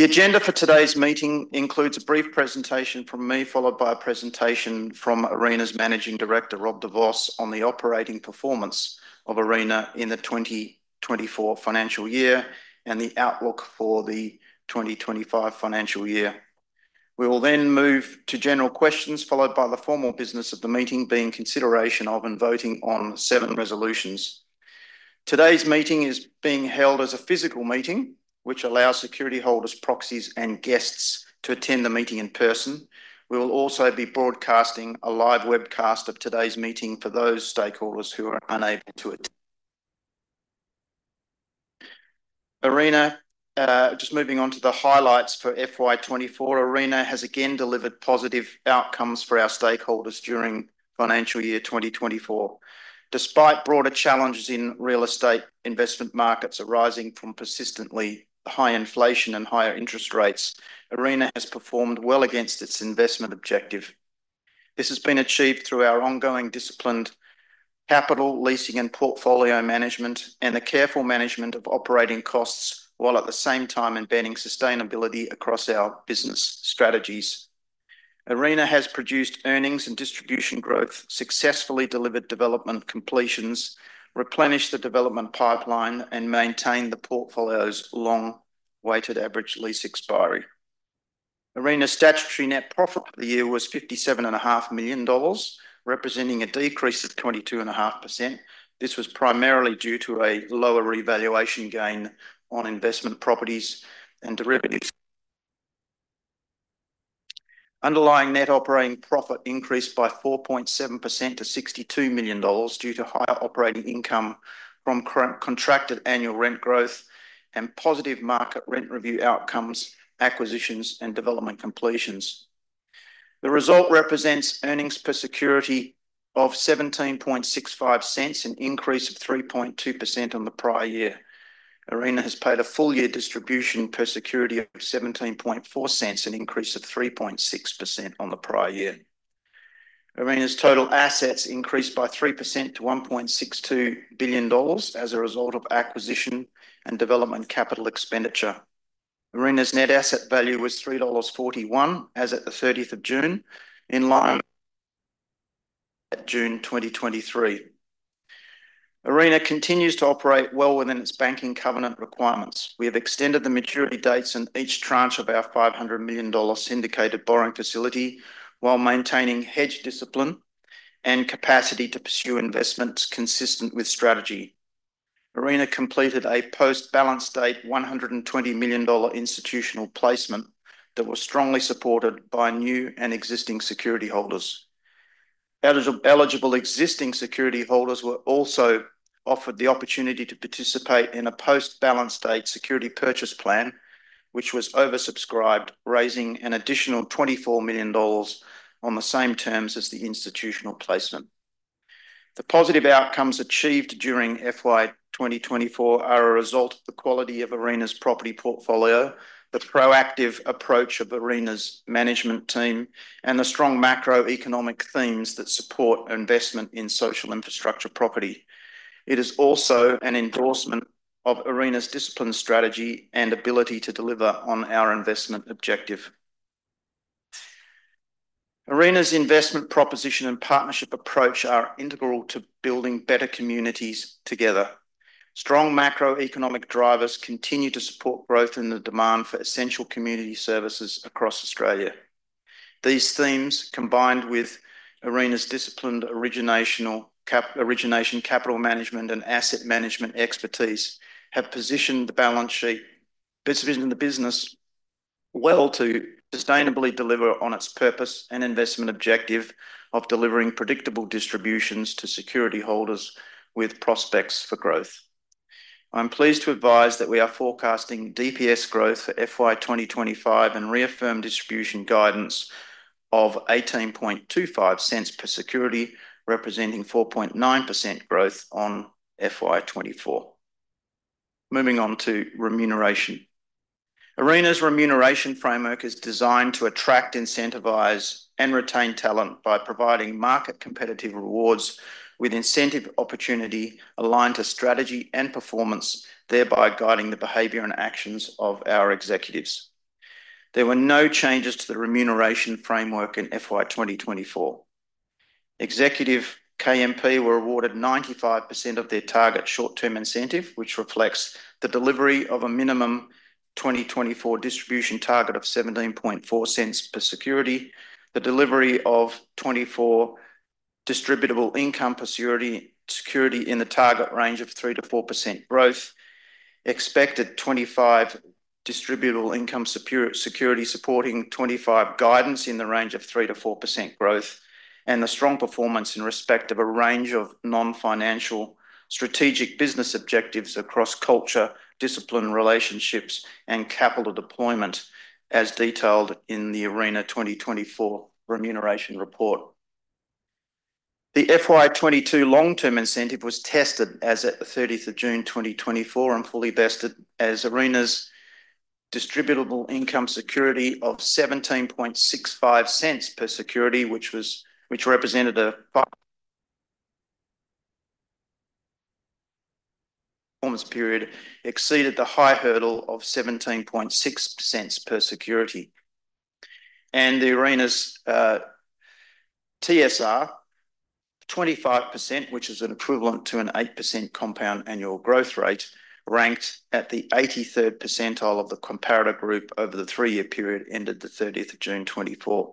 The agenda for today's meeting includes a brief presentation from me, followed by a presentation from Arena's Managing Director, Rob de Vos, on the operating performance of Arena in the 2024 financial year and the outlook for the 2025 financial year. We will then move to general questions, followed by the formal business of the meeting, being consideration of and voting on seven resolutions. Today's meeting is being held as a physical meeting, which allows security holders, proxies, and guests to attend the meeting in person. We will also be broadcasting a live webcast of today's meeting for those stakeholders who are unable to attend. Arena, just moving on to the highlights for FY24, Arena has again delivered positive outcomes for our stakeholders during financial year 2024. Despite broader challenges in real estate investment markets arising from persistently high inflation and higher interest rates, Arena has performed well against its investment objective. This has been achieved through our ongoing disciplined capital leasing and portfolio management, and the careful management of operating costs, while at the same time embedding sustainability across our business strategies. Arena has produced earnings and distribution growth, successfully delivered development completions, replenished the development pipeline, and maintained the portfolio's long weighted average lease expiry. Arena's statutory net profit for the year was 57.5 million dollars, representing a decrease of 22.5%. This was primarily due to a lower revaluation gain on investment properties and derivatives. Underlying net operating profit increased by 4.7% to 62 million dollars due to higher operating income from contracted annual rent growth and positive market rent review outcomes, acquisitions, and development completions. The result represents earnings per security of 17.65, an increase of 3.2% on the prior year. Arena has paid a full year distribution per security of 17.40, an increase of 3.6% on the prior year. Arena's total assets increased by 3% to 1.62 billion dollars as a result of acquisition and development capital expenditure. Arena's net asset value was 3.41 dollars as of the 30th of June, in line with June 2023. Arena continues to operate well within its banking covenant requirements. We have extended the maturity dates in each tranche of our 500 million dollar syndicated borrowing facility while maintaining hedge discipline and capacity to pursue investments consistent with strategy. Arena completed a post-balance date 120 million dollar institutional placement that was strongly supported by new and existing security holders. Eligible existing security holders were also offered the opportunity to participate in a post-balance date security purchase plan, which was oversubscribed, raising an additional 24 million dollars on the same terms as the institutional placement. The positive outcomes achieved during FY 2024 are a result of the quality of Arena's property portfolio, the proactive approach of Arena's management team, and the strong macroeconomic themes that support investment in social infrastructure property. It is also an endorsement of Arena's discipline strategy and ability to deliver on our investment objective. Arena's investment proposition and partnership approach are integral to building better communities together. Strong macroeconomic drivers continue to support growth in the demand for essential community services across Australia. These themes, combined with Arena's disciplined origination capital management and asset management expertise, have positioned the balance sheet position in the business well to sustainably deliver on its purpose and investment objective of delivering predictable distributions to security holders with prospects for growth. I'm pleased to advise that we are forecasting DPS growth for FY 2025 and reaffirm distribution guidance of 18.25 per security, representing 4.9% growth on FY 2024. Moving on to remuneration. Arena's remuneration framework is designed to attract, incentivize, and retain talent by providing market competitive rewards with incentive opportunity aligned to strategy and performance, thereby guiding the behavior and actions of our executives. There were no changes to the remuneration framework in FY 2024. Executive KMP were awarded 95% of their target short-term incentive, which reflects the delivery of a minimum 2024 distribution target of 17.40 per security, the delivery of FY 2024 distributable income per security in the target range of 3%-4% growth, expected FY 2025 distributable income per security supporting FY 2025 guidance in the range of 3%-4% growth, and the strong performance in respect of a range of non-financial strategic business objectives across culture, discipline, relationships, and capital deployment, as detailed in the Arena 2024 remuneration report. The FY 2022 long-term incentive was tested as of the 30th of June 2024 and fully vested as Arena's distributable income per security of 17.65 per security, which represented a performance period, exceeded the high hurdle of 17.60 per security. And Arena's TSR, 25%, which is an equivalent to an 8% compound annual growth rate, ranked at the 83rd percentile of the comparator group over the three-year period ended the 30th of June 2024.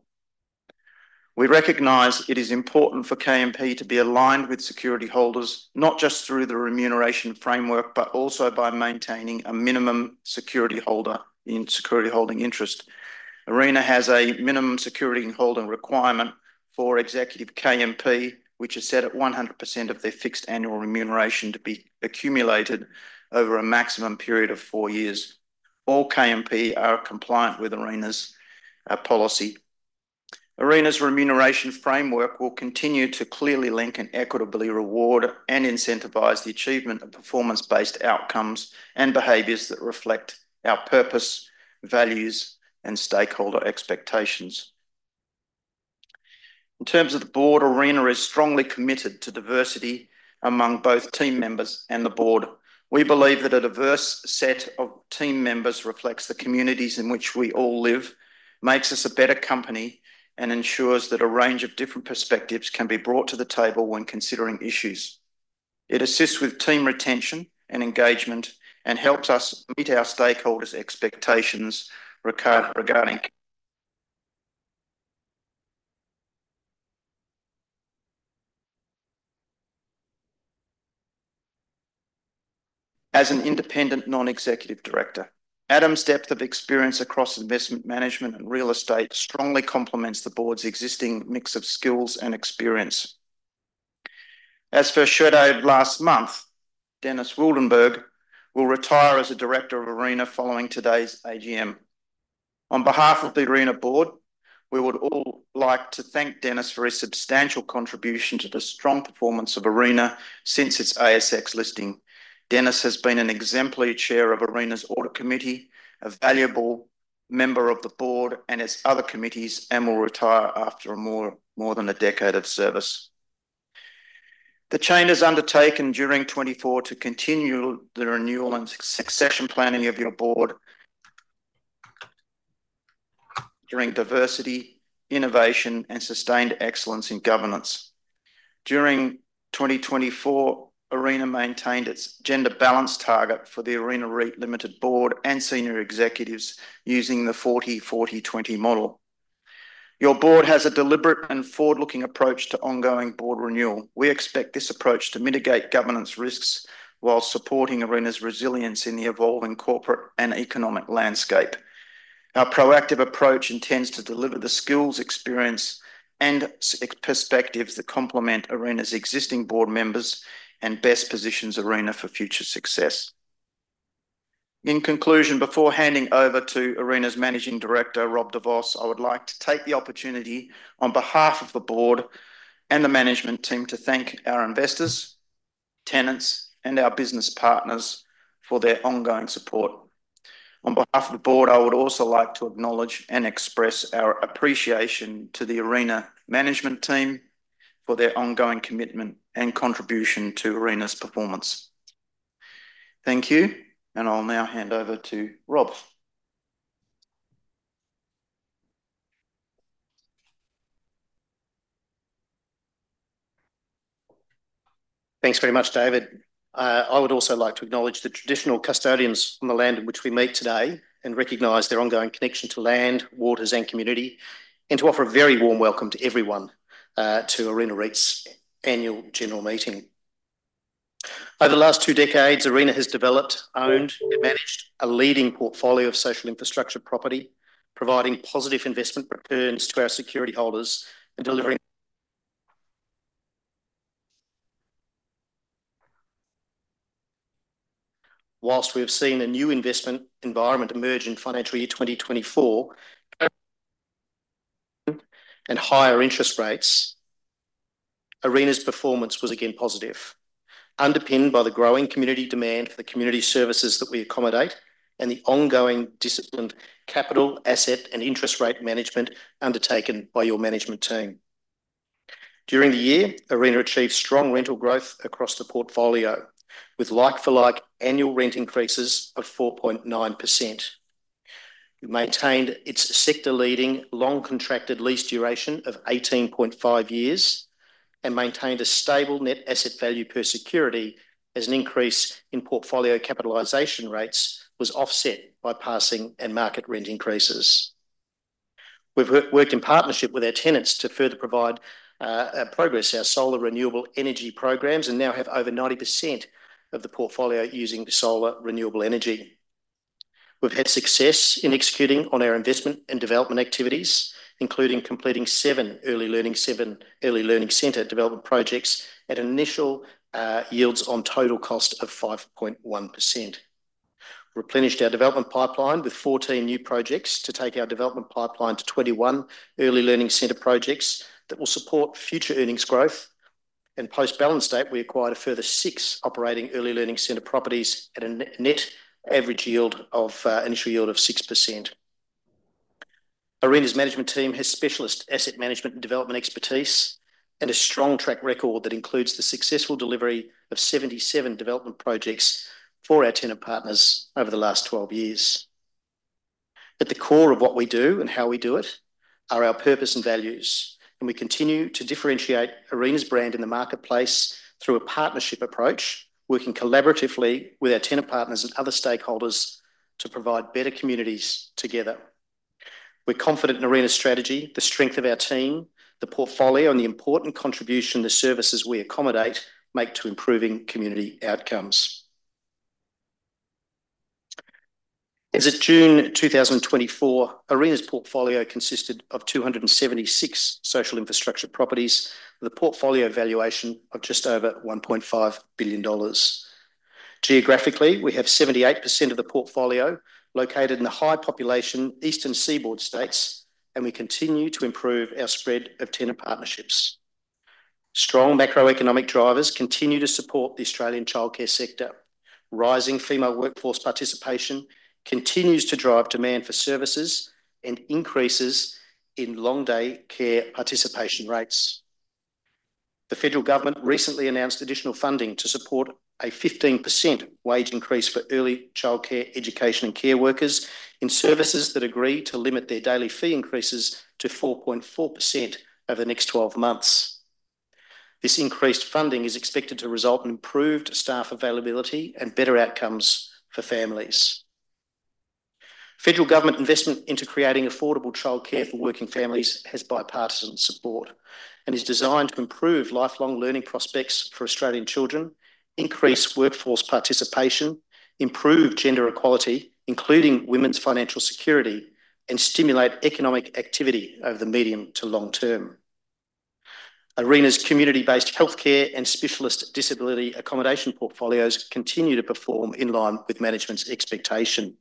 We recognize it is important for KMP to be aligned with security holders, not just through the remuneration framework, but also by maintaining a minimum security holder in security holding interest. Arena has a minimum security holding requirement for executive KMP, which is set at 100% of their fixed annual remuneration to be accumulated over a maximum period of four years. All KMP are compliant with Arena's policy. Arena's remuneration framework will continue to clearly link and equitably reward and incentivize the achievement of performance-based outcomes and behaviors that reflect our purpose, values, and stakeholder expectations. In terms of the board, Arena is strongly committed to diversity among both team members and the board. We believe that a diverse set of team members reflects the communities in which we all live, makes us a better company, and ensures that a range of different perspectives can be brought to the table when considering issues. It assists with team retention and engagement and helps us meet our stakeholders' expectations regarding. As an Independent Non-Executive Director, Adam's depth of experience across investment management and real estate strongly complements the board's existing mix of skills and experience. As announced last month, Dennis Wildenburg will retire as a director of Arena following today's AGM. On behalf of the Arena board, we would all like to thank Dennis for his substantial contribution to the strong performance of Arena since its ASX listing. Dennis has been an exemplary chair of Arena's audit committee, a valuable member of the board and its other committees, and will retire after more than a decade of service. The change is undertaken during 2024 to continue the renewal and succession planning of your board, driving diversity, innovation, and sustained excellence in governance. During 2024, Arena maintained its gender balance target for the Arena REIT Limited board and senior executives using the 40:40:20 model. Your board has a deliberate and forward-looking approach to ongoing board renewal. We expect this approach to mitigate governance risks while supporting Arena's resilience in the evolving corporate and economic landscape. Our proactive approach intends to deliver the skills, experience, and perspectives that complement Arena's existing board members and best positions Arena for future success. In conclusion, before handing over to Arena's Managing Director, Rob de Vos, I would like to take the opportunity on behalf of the board and the management team to thank our investors, tenants, and our business partners for their ongoing support. On behalf of the board, I would also like to acknowledge and express our appreciation to the Arena management team for their ongoing commitment and contribution to Arena's performance. Thank you, and I'll now hand over to Rob. Thanks very much, David. I would also like to acknowledge the traditional custodians on the land in which we meet today and recognize their ongoing connection to land, waters, and community, and to offer a very warm welcome to everyone to Arena REIT's annual general meeting. Over the last two decades, Arena has developed, owned, and managed a leading portfolio of social infrastructure property, providing positive investment returns to our security holders and delivering. While we have seen a new investment environment emerge in financial year 2024 and higher interest rates, Arena's performance was again positive, underpinned by the growing community demand for the community services that we accommodate and the ongoing disciplined capital, asset, and interest rate management undertaken by your management team. During the year, Arena achieved strong rental growth across the portfolio with like-for-like annual rent increases of 4.9%. It maintained its sector-leading long-contracted lease duration of 18.5 years and maintained a stable net asset value per security as an increase in portfolio capitalization rates was offset by passing and market rent increases. We've worked in partnership with our tenants to further provide progress to our solar renewable energy programs and now have over 90% of the portfolio using solar renewable energy. We've had success in executing on our investment and development activities, including completing seven early learning center development projects at initial yields on total cost of 5.1%. We replenished our development pipeline with 14 new projects to take our development pipeline to 21 early learning center projects that will support future earnings growth. And post-balance date, we acquired a further six operating early learning center properties at a net average yield of initial yield of 6%. Arena's management team has specialist asset management and development expertise and a strong track record that includes the successful delivery of 77 development projects for our tenant partners over the last 12 years. At the core of what we do and how we do it are our purpose and values, and we continue to differentiate Arena's brand in the marketplace through a partnership approach, working collaboratively with our tenant partners and other stakeholders to provide better communities together. We're confident in Arena's strategy, the strength of our team, the portfolio, and the important contribution the services we accommodate make to improving community outcomes. As of June 2024, Arena's portfolio consisted of 276 social infrastructure properties with a portfolio valuation of just over 1.5 billion dollars. Geographically, we have 78% of the portfolio located in the high population Eastern Seaboard states, and we continue to improve our spread of tenant partnerships. Strong macroeconomic drivers continue to support the Australian childcare sector. Rising female workforce participation continues to drive demand for services and increases in long day care participation rates. The federal government recently announced additional funding to support a 15% wage increase for early childcare, education, and care workers in services that agree to limit their daily fee increases to 4.4% over the next 12 months. This increased funding is expected to result in improved staff availability and better outcomes for families. Federal government investment into creating affordable childcare for working families has bipartisan support and is designed to improve lifelong learning prospects for Australian children, increase workforce participation, improve gender equality, including women's financial security, and stimulate economic activity over the medium to long term. Arena's community-based healthcare and specialist disability accommodation portfolios continue to perform in line with management's expectation.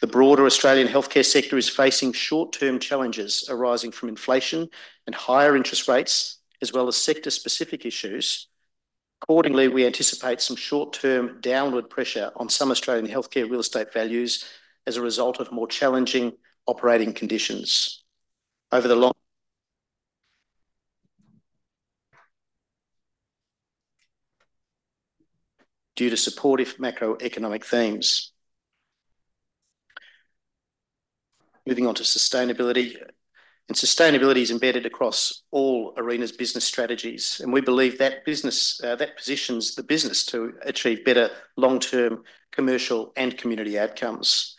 The broader Australian healthcare sector is facing short-term challenges arising from inflation and higher interest rates, as well as sector-specific issues. Accordingly, we anticipate some short-term downward pressure on some Australian healthcare real estate values as a result of more challenging operating conditions. Other long. Due to supportive macroeconomic themes. Moving on to sustainability, and sustainability is embedded across all Arena's business strategies, and we believe that that positions the business to achieve better long-term commercial and community outcomes.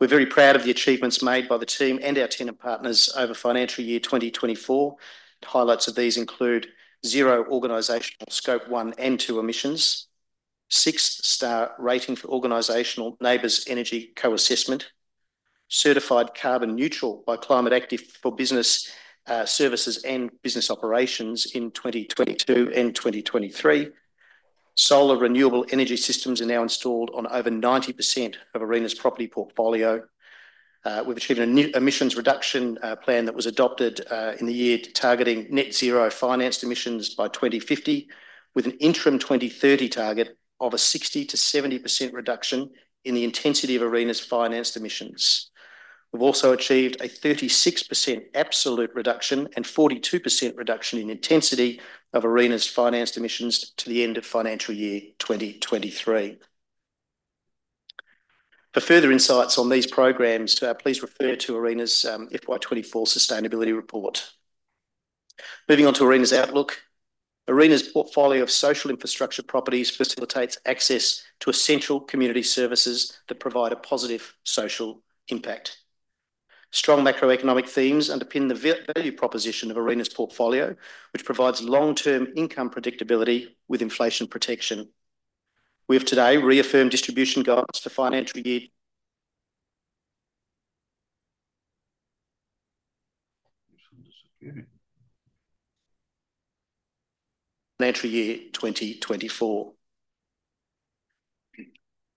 We're very proud of the achievements made by the team and our tenant partners over financial year 2024. Highlights of these include zero organizational Scope 1 and 2 emissions, six-star rating for organizational NABERS energy co-assessment, certified carbon neutral by Climate Active for business services and business operations in 2022 and 2023. Solar renewable energy systems are now installed on over 90% of Arena's property portfolio, with achieving an emissions reduction plan that was adopted in the year targeting net zero financed emissions by 2050, with an interim 2030 target of a 60% to 70% reduction in the intensity of Arena's financed emissions. We've also achieved a 36% absolute reduction and 42% reduction in intensity of Arena's financed emissions to the end of financial year 2023. For further insights on these programs, please refer to Arena's FY 2024 sustainability report. Moving on to Arena's outlook, Arena's portfolio of social infrastructure properties facilitates access to essential community services that provide a positive social impact. Strong macroeconomic themes underpin the value proposition of Arena's portfolio, which provides long-term income predictability with inflation protection. We have today reaffirmed distribution goals for financial year 2024.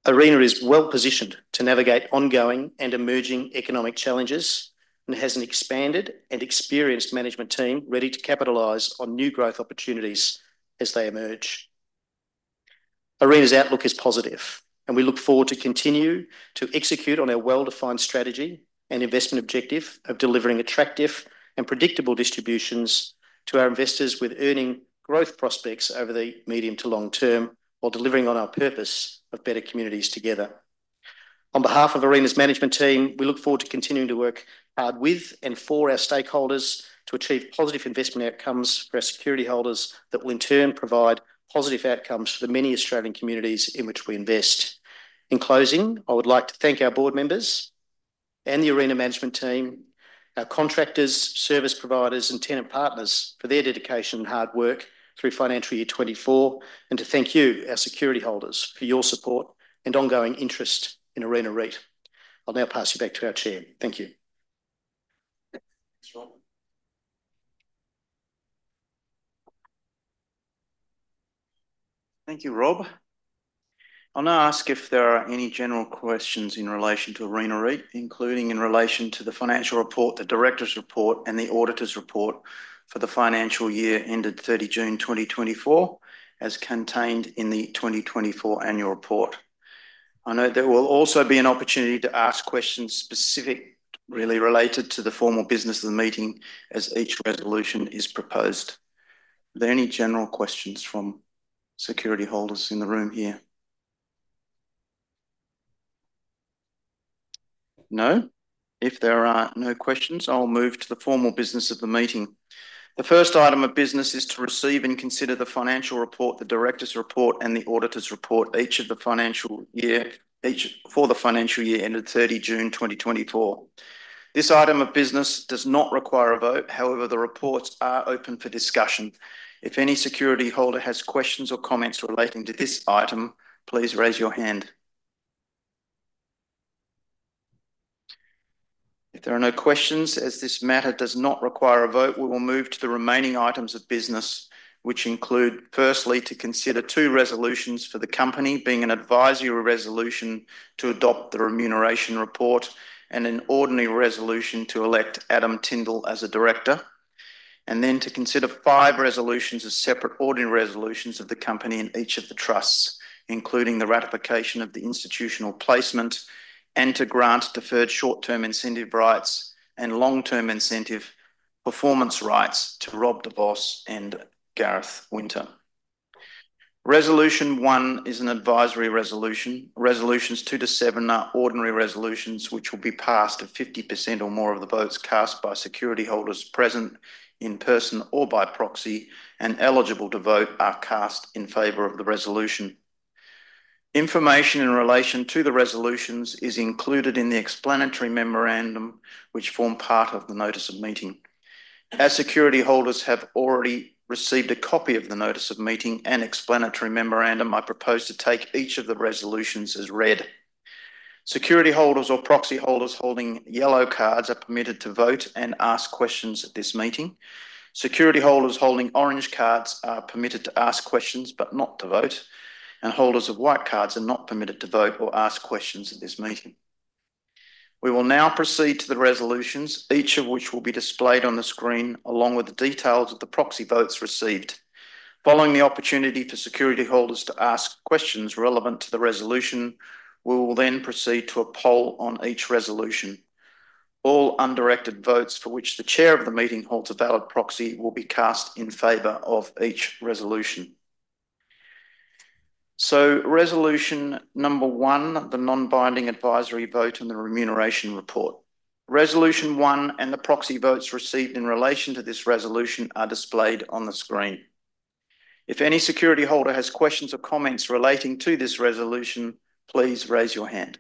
Arena is well positioned to navigate ongoing and emerging economic challenges and has an expanded and experienced management team ready to capitalize on new growth opportunities as they emerge. Arena's outlook is positive, and we look forward to continue to execute on our well-defined strategy and investment objective of delivering attractive and predictable distributions to our investors with earnings growth prospects over the medium to long term while delivering on our purpose of better communities together. On behalf of Arena's management team, we look forward to continuing to work hard with and for our stakeholders to achieve positive investment outcomes for our security holders that will in turn provide positive outcomes for the many Australian communities in which we invest. In closing, I would like to thank our board members and the Arena management team, our contractors, service providers, and tenant partners for their dedication and hard work through financial year 2024, and to thank you, our security holders, for your support and ongoing interest in Arena REIT. I'll now pass you back to our chair. Thank you. Thanks, Rob. Thank you, Rob. I'll now ask if there are any general questions in relation to Arena REIT, including in relation to the financial report, the Directors' report, and the auditor's report for the financial year ended 30 June 2024, as contained in the 2024 annual report. I know there will also be an opportunity to ask questions specifically related to the formal business of the meeting as each resolution is proposed. Are there any general questions from security holders in the room here? No. If there are no questions, I'll move to the formal business of the meeting. The first item of business is to receive and consider the financial report, the Directors' report, and the auditor's report, each of the financial year for the financial year ended 30 June 2024. This item of business does not require a vote. However, the reports are open for discussion. If any security holder has questions or comments relating to this item, please raise your hand. If there are no questions, as this matter does not require a vote, we will move to the remaining items of business, which include firstly to consider two resolutions for the company being an advisory resolution to adopt the remuneration report and an ordinary resolution to elect Adam Tindall as a director, and then to consider five resolutions as separate ordinary resolutions of the company and each of the trusts, including the ratification of the institutional placement and to grant deferred short-term incentive rights and long-term incentive performance rights to Rob de Vos and Gareth Winter. Resolution one is an advisory resolution. Resolutions two to seven are ordinary resolutions which will be passed if 50% or more of the votes cast by security holders present in person or by proxy and eligible to vote are cast in favor of the resolution. Information in relation to the resolutions is included in the explanatory memorandum, which form part of the notice of meeting. As security holders have already received a copy of the notice of meeting and explanatory memorandum, I propose to take each of the resolutions as read. Security holders or proxy holders holding yellow cards are permitted to vote and ask questions at this meeting. Security holders holding orange cards are permitted to ask questions but not to vote, and holders of white cards are not permitted to vote or ask questions at this meeting. We will now proceed to the resolutions, each of which will be displayed on the screen along with the details of the proxy votes received. Following the opportunity for security holders to ask questions relevant to the resolution, we will then proceed to a poll on each resolution. All undirected votes for which the chair of the meeting holds a valid proxy will be cast in favor of each resolution. So resolution number one, the non-binding advisory vote and the remuneration report. Resolution one and the proxy votes received in relation to this resolution are displayed on the screen. If any security holder has questions or comments relating to this resolution, please raise your hand.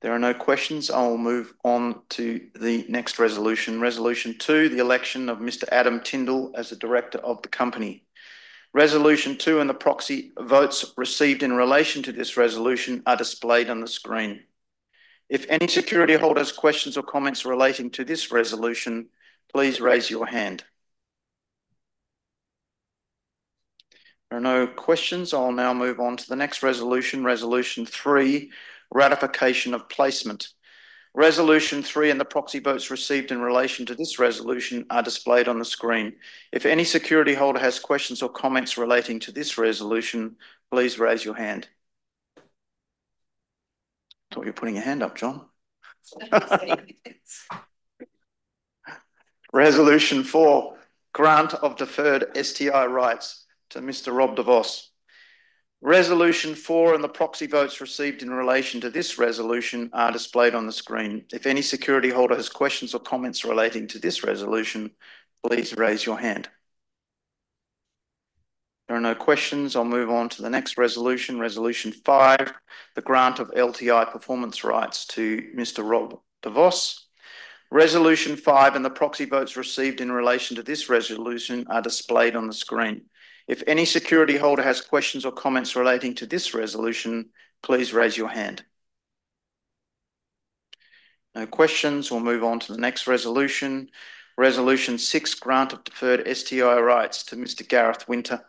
There are no questions. I'll move on to the next resolution. Resolution two, the election of Mr. Adam Tindall as the director of the company. Resolution two and the proxy votes received in relation to this resolution are displayed on the screen. If any security holders have questions or comments relating to this resolution, please raise your hand. There are no questions. I'll now move on to the next resolution. Resolution three, ratification of placement. Resolution three and the proxy votes received in relation to this resolution are displayed on the screen. If any security holder has questions or comments relating to this resolution, please raise your hand. Thought you were putting your hand up, John. Resolution four, grant of deferred STI rights to Mr. Rob de Vos. Resolution four and the proxy votes received in relation to this resolution are displayed on the screen. If any security holder has questions or comments relating to this resolution, please raise your hand. There are no questions. I'll move on to the next resolution. Resolution five, the grant of LTI performance rights to Mr. Rob de Vos. Resolution five and the proxy votes received in relation to this resolution are displayed on the screen. If any security holder has questions or comments relating to this resolution, please raise your hand. No questions. We'll move on to the next resolution. Resolution six, grant of deferred STI rights to Mr. Gareth Winter.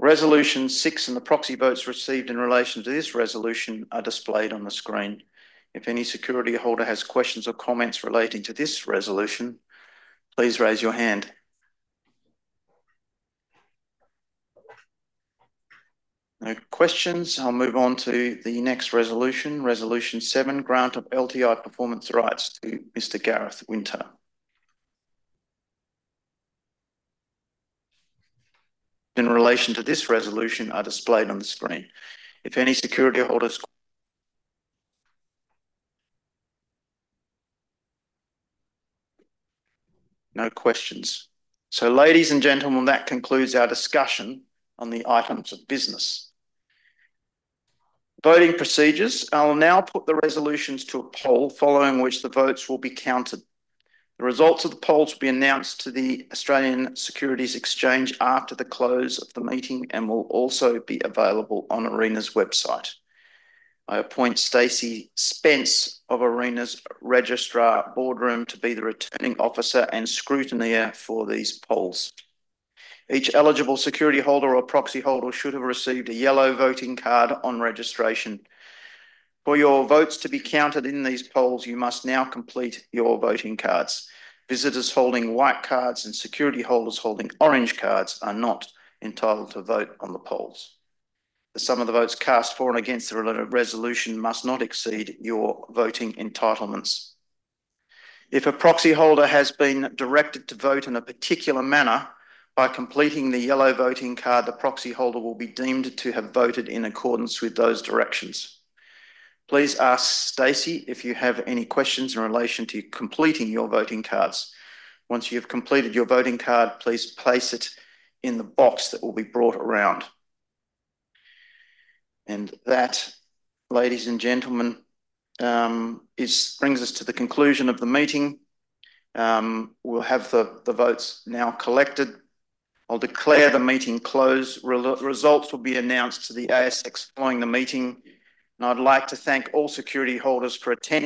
Resolution six and the proxy votes received in relation to this resolution are displayed on the screen. If any security holder has questions or comments relating to this resolution, please raise your hand. No questions. I'll move on to the next resolution. Resolution seven, grant of LTI performance rights to Mr. Gareth Winter. In relation to this resolution are displayed on the screen. If any security holders. No questions. So ladies and gentlemen, that concludes our discussion on the items of business. Voting procedures. I'll now put the resolutions to a poll, following which the votes will be counted. The results of the polls will be announced to the Australian Securities Exchange after the close of the meeting and will also be available on Arena's website. I appoint Stacey Spence of Arena's registrar Boardroom to be the returning officer and scrutineer for these polls. Each eligible security holder or proxy holder should have received a yellow voting card on registration. For your votes to be counted in these polls, you must now complete your voting cards. Visitors holding white cards and security holders holding orange cards are not entitled to vote on the polls. The sum of the votes cast for and against the related resolution must not exceed your voting entitlements. If a proxy holder has been directed to vote in a particular manner by completing the yellow voting card, the proxy holder will be deemed to have voted in accordance with those directions. Please ask Stacey if you have any questions in relation to completing your voting cards. Once you have completed your voting card, please place it in the box that will be brought around, and that, ladies and gentlemen, brings us to the conclusion of the meeting. We'll have the votes now collected. I'll declare the meeting closed. Results will be announced to the ASX following the meeting, and I'd like to thank all security holders for attending.